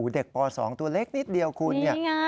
เด็กป๒ตัวเล็กนิดเดียวคุณ